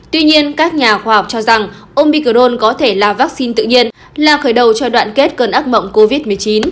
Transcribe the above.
tuy nhiên các nhà khoa học cho rằng omicrone có thể là vaccine tự nhiên là khởi đầu cho đoạn kết cơn ác mộng covid một mươi chín